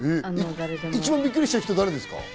一番びっくりした人は誰ですか？